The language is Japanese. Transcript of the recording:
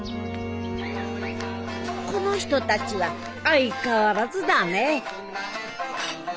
この人たちは相変わらずだねぇ。